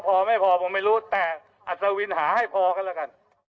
แบบนั้นไปก็พอไม่พอผมไม่รู้แต่อาจจะลืมหาให้พอก็แล้วกัน